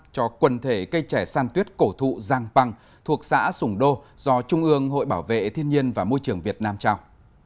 cho quần thể cây trẻ san tuyết cổ thụ giang bằng thuộc xã sùng đô do trung ương hội bảo vệ thiên nhiên và môi trường việt nam trao